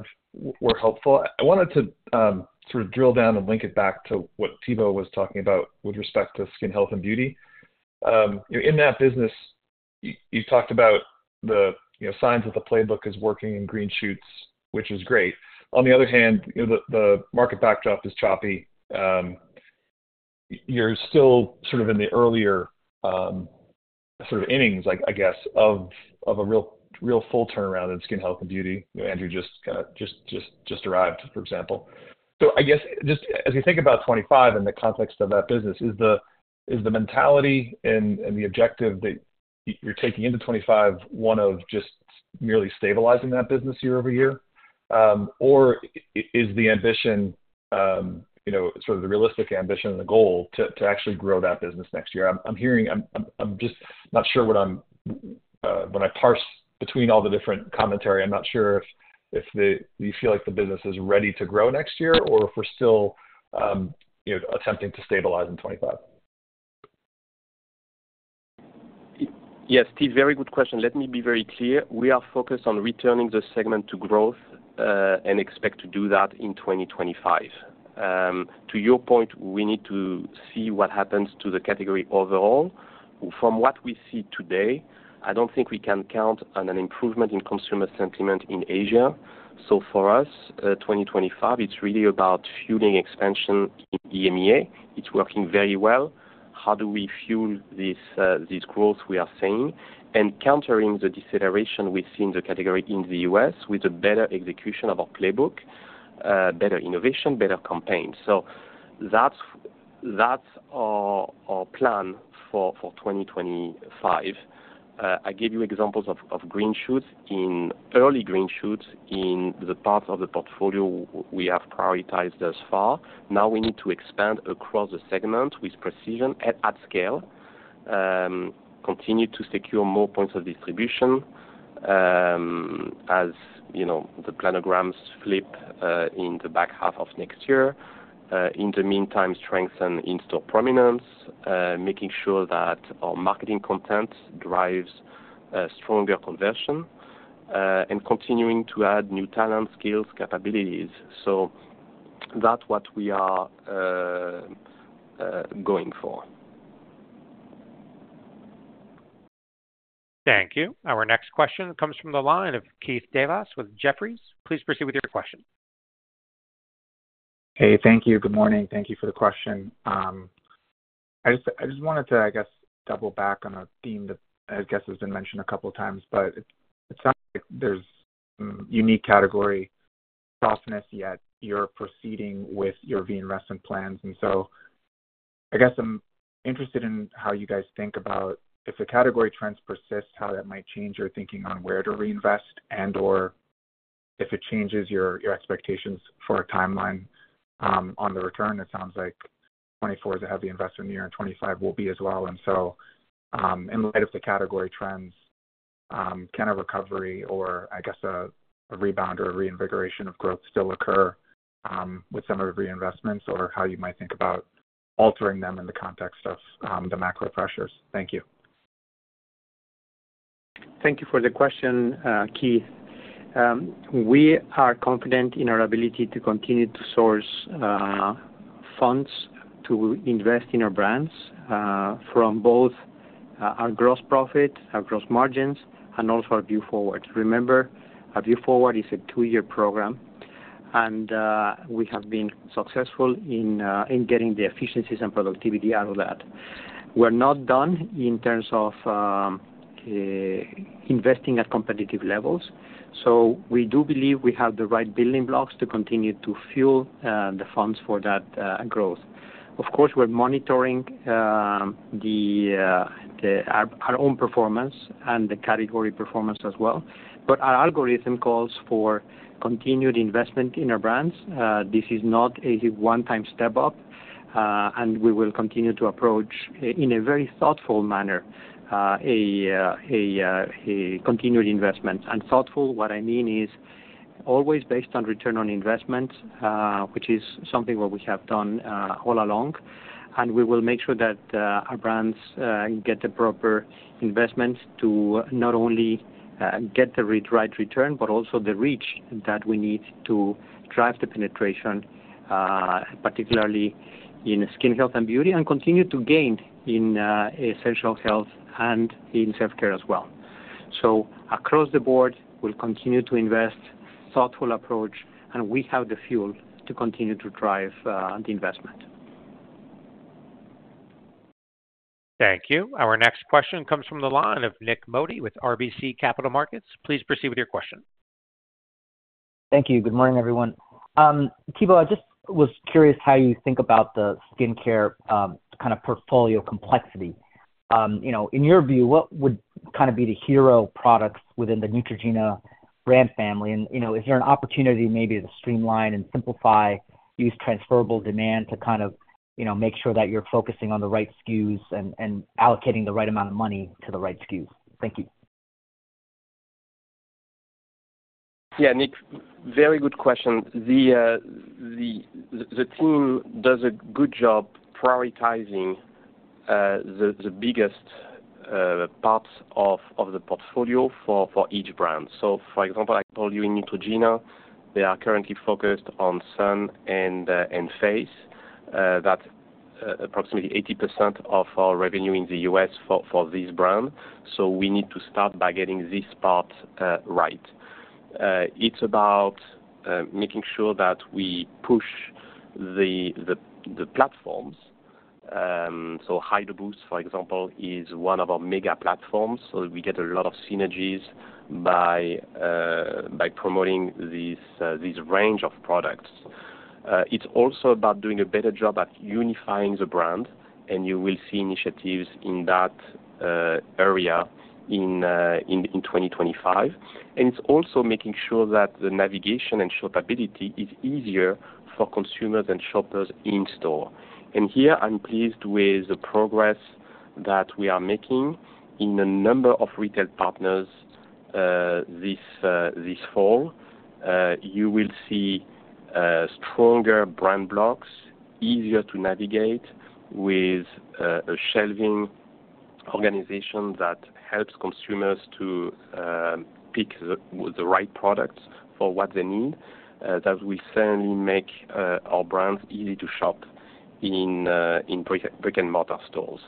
were helpful. I wanted to sort of drill down and link it back to what Thibaut was talking about with respect to skin health and beauty. In that business, you talked about the signs that the playbook is working in green shoots, which is great. On the other hand, the market backdrop is choppy. You're still sort of in the earlier sort of innings, I guess, of a real full turnaround in skin health and beauty. Andrew just arrived, for example. So I guess just as you think about 2025 and the context of that business, is the mentality and the objective that you're taking into 2025 one of just merely stabilizing that business year-over-year, or is the ambition, sort of the realistic ambition and the goal to actually grow that business next year? I'm just not sure when I parse between all the different commentary, I'm not sure if you feel like the business is ready to grow next year or if we're still attempting to stabilize in 2025. Yes, Steve, very good question. Let me be very clear. We are focused on returning the segment to growth and expect to do that in 2025. To your point, we need to see what happens to the category overall. From what we see today, I don't think we can count on an improvement in consumer sentiment in Asia. So for us, 2025, it's really about fueling expansion in EMEA. It's working very well. How do we fuel this growth we are seeing and countering the deceleration we see in the category in the U.S. with a better execution of our playbook, better innovation, better campaigns? So that's our plan for 2025. I gave you examples of green shoots, early green shoots in the parts of the portfolio we have prioritized thus far. Now we need to expand across the segment with precision at scale, continue to secure more points of distribution as the planograms flip in the back half of next year. In the meantime, strengthen in-store prominence, making sure that our marketing content drives stronger conversion and continuing to add new talent, skills, capabilities. So that's what we are going for. Thank you. Our next question comes from the line of Keith Devas with Jefferies. Please proceed with your question. Hey, thank you. Good morning. Thank you for the question. I just wanted to, I guess, double back on a theme that, I guess, has been mentioned a couple of times, but it sounds like there's a unique category softness, yet you're proceeding with your reinvestment plans. I guess I'm interested in how you guys think about if the category trends persist, how that might change your thinking on where to reinvest and/or if it changes your expectations for a timeline on the return. It sounds like 2024 is a heavy investment year and 2025 will be as well. In light of the category trends, can a recovery or, I guess, a rebound or a reinvigoration of growth still occur with some of the reinvestments or how you might think about altering them in the context of the macro pressures? Thank you. Thank you for the question, Keith. We are confident in our ability to continue to source funds to invest in our brands from both our gross profit, our gross margins, and also Our Vue Forward. Remember, Vue Forward is a two-year program, and we have been successful in getting the efficiencies and productivity out of that. We're not done in terms of investing at competitive levels. So we do believe we have the right building blocks to continue to fuel the funds for that growth. Of course, we're monitoring our own performance and the category performance as well. But our algorithm calls for continued investment in our brands. This is not a one-time step up, and we will continue to approach in a very thoughtful manner continued investments. And thoughtful, what I mean is always based on return on investment, which is something that we have done all along. We will make sure that our brands get the proper investments to not only get the right return, but also the reach that we need to drive the penetration, particularly in skin health and beauty, and continue to gain in essential health and in self-care as well. So across the board, we'll continue to invest, thoughtful approach, and we have the fuel to continue to drive the investment. Thank you. Our next question comes from the line of Nik Modi with RBC Capital Markets. Please proceed with your question. Thank you. Good morning, everyone. Thibaut, I just was curious how you think about the skincare kind of portfolio complexity. In your view, what would kind of be the hero products within the Neutrogena brand family? And is there an opportunity maybe to streamline and simplify used transferable demand to kind of make sure that you're focusing on the right SKUs and allocating the right amount of money to the right SKUs? Thank you. Yeah, Nik, very good question. The team does a good job prioritizing the biggest parts of the portfolio for each brand. So for example, I told you in Neutrogena, they are currently focused on sun and face. That's approximately 80% of our revenue in the U.S. for this brand. So we need to start by getting this part right. It's about making sure that we push the platforms. So Hydro Boost, for example, is one of our mega platforms. So we get a lot of synergies by promoting this range of products. It's also about doing a better job at unifying the brand, and you will see initiatives in that area in 2025. It's also making sure that the navigation and shoppability is easier for consumers and shoppers in store. Here, I'm pleased with the progress that we are making in a number of retail partners this fall. You will see stronger brand blocks, easier to navigate with a shelving organization that helps consumers to pick the right products for what they need. That will certainly make our brands easy to shop in brick-and-mortar stores.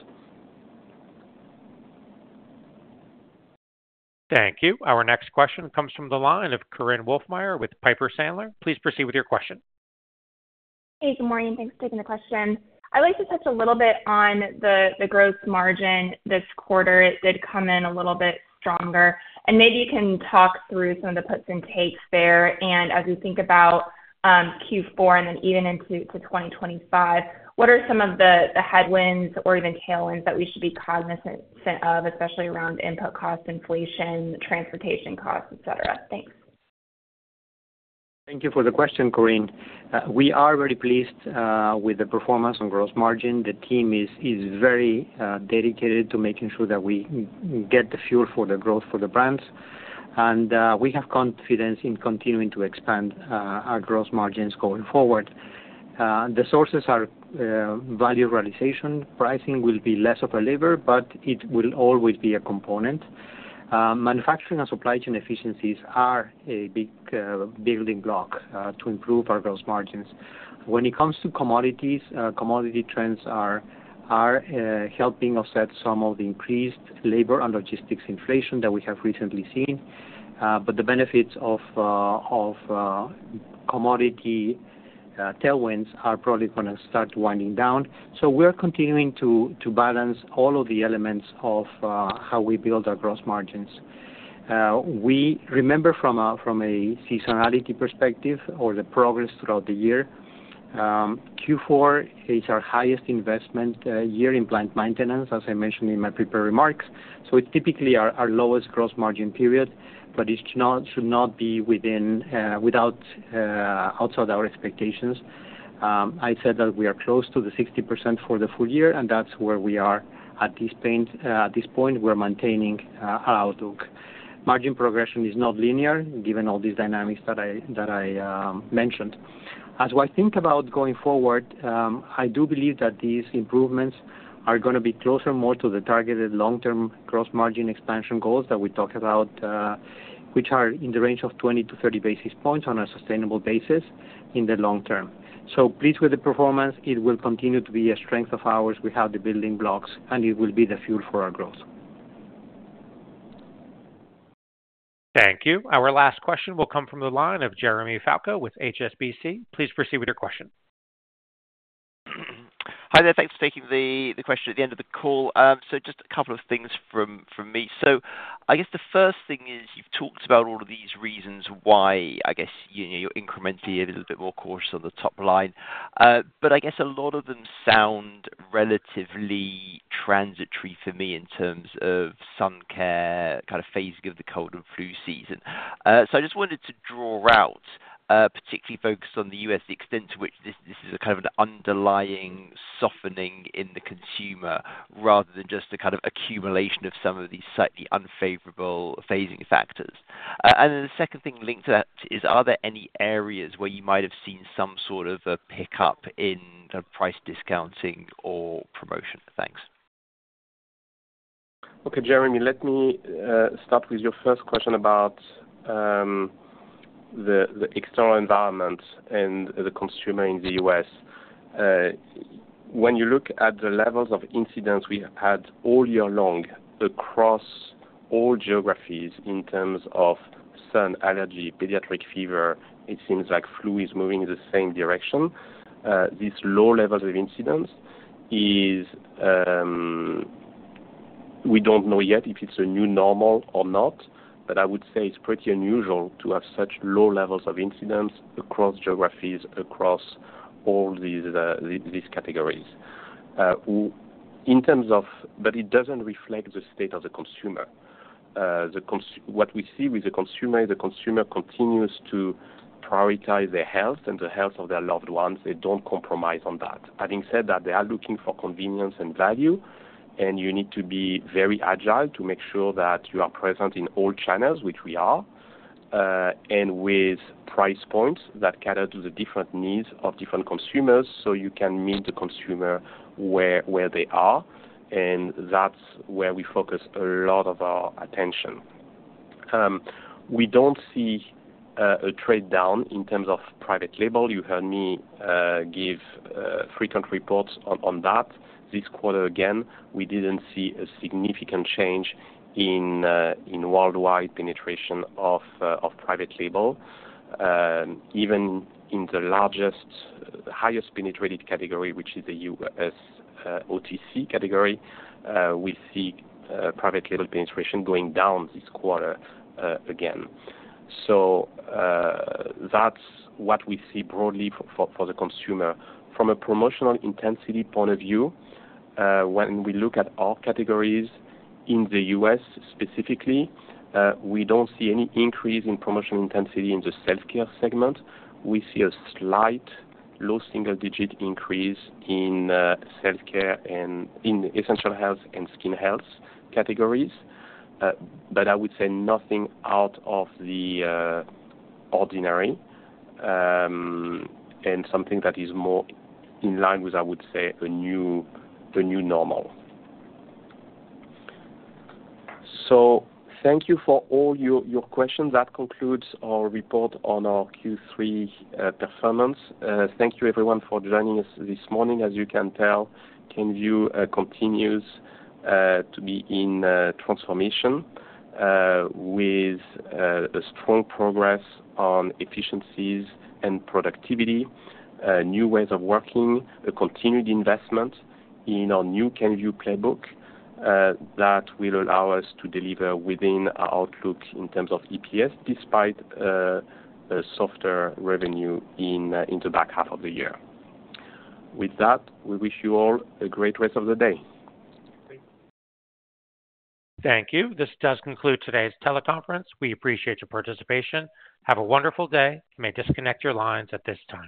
Thank you. Our next question comes from the line of Korinne Wolfmeyer with Piper Sandler. Please proceed with your question. Hey, good morning. Thanks for taking the question. I'd like to touch a little bit on the gross margin this quarter. It did come in a little bit stronger. Maybe you can talk through some of the puts and takes there. And as we think about Q4 and then even into 2025, what are some of the headwinds or even tailwinds that we should be cognizant of, especially around input costs, inflation, transportation costs, etc.? Thanks. Thank you for the question, Korinne. We are very pleased with the performance on gross margin. The team is very dedicated to making sure that we get the fuel for the growth for the brands. And we have confidence in continuing to expand our gross margins going forward. The sources are value realization. Pricing will be less of a lever, but it will always be a component. Manufacturing and supply chain efficiencies are a big building block to improve our gross margins. When it comes to commodities, commodity trends are helping offset some of the increased labor and logistics inflation that we have recently seen. But the benefits of commodity tailwinds are probably going to start winding down. So we're continuing to balance all of the elements of how we build our gross margins. We remember from a seasonality perspective or the progress throughout the year, Q4 is our highest investment year in plant maintenance, as I mentioned in my prepared remarks. So it's typically our lowest gross margin period, but it should not be outside our expectations. I said that we are close to the 60% for the full year, and that's where we are at this point. We're maintaining our outlook. Margin progression is not linear given all these dynamics that I mentioned. As I think about going forward, I do believe that these improvements are going to be closer more to the targeted long-term gross margin expansion goals that we talked about, which are in the range of 20-30 basis points on a sustainable basis in the long term. So pleased with the performance, it will continue to be a strength of ours. We have the building blocks, and it will be the fuel for our growth. Thank you. Our last question will come from the line of Jeremy Fialko with HSBC. Please proceed with your question. Hi there. Thanks for taking the question at the end of the call. So just a couple of things from me. So I guess the first thing is you've talked about all of these reasons why, I guess, you're incrementally a little bit more cautious on the top line. But I guess a lot of them sound relatively transitory for me in terms of sun care, kind of phasing of the cold and flu season. So I just wanted to draw out, particularly focused on the U.S., the extent to which this is kind of an underlying softening in the consumer rather than just the kind of accumulation of some of these slightly unfavorable phasing factors. And then the second thing linked to that is, are there any areas where you might have seen some sort of a pickup in price discounting or promotion? Thanks. Okay, Jeremy, let me start with your first question about the external environment and the consumer in the U.S. When you look at the levels of incidents we have had all year long across all geographies in terms of sun, allergy, pediatric fever, it seems like flu is moving in the same direction. These low levels of incidents, we don't know yet if it's a new normal or not, but I would say it's pretty unusual to have such low levels of incidents across geographies, across all these categories. But it doesn't reflect the state of the consumer. What we see with the consumer is the consumer continues to prioritize their health and the health of their loved ones. They don't compromise on that. Having said that, they are looking for convenience and value, and you need to be very agile to make sure that you are present in all channels, which we are, and with price points that cater to the different needs of different consumers so you can meet the consumer where they are. And that's where we focus a lot of our attention. We don't see a trade down in terms of private label. You heard me give frequent reports on that. This quarter, again, we didn't see a significant change in worldwide penetration of private label. Even in the highest penetrated category, which is the U.S. OTC category, we see private label penetration going down this quarter again. So that's what we see broadly for the consumer. From a promotional intensity point of view, when we look at our categories in the U.S. specifically, we don't see any increase in promotional intensity in the self-care segment. We see a slight low single-digit increase in self-care and in essential health and skin health categories. But I would say nothing out of the ordinary and something that is more in line with, I would say, a new normal. So thank you for all your questions. That concludes our report on our Q3 performance. Thank you, everyone, for joining us this morning. As you can tell, Kenvue continues to be in transformation with a strong progress on efficiencies and productivity, new ways of working, a continued investment in our new Kenvue playbook that will allow us to deliver within our outlook in terms of EPS despite softer revenue in the back half of the year. With that, we wish you all a great rest of the day. Thank you. This does conclude today's teleconference. We appreciate your participation. Have a wonderful day. You may disconnect your lines at this time.